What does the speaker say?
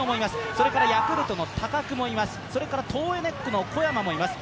それから高久もいます、そしてトーエネックの小山もいます。